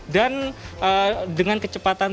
dan dengan kecepatan